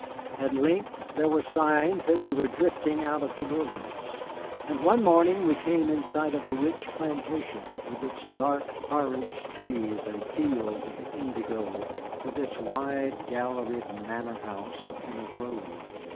At length there were signs that we were drifting out of the wilderness, and one morning we came in sight of a rich plantation with its dark orange trees and fields of indigo, with its wide galleried manor house in a grove.